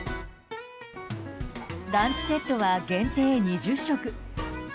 ランチセットは限定２０食。